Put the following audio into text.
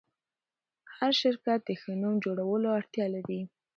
هر شرکت د ښه نوم جوړولو اړتیا لري.